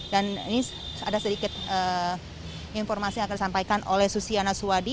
dan ini ada sedikit informasi yang akan disampaikan oleh susiana suwadi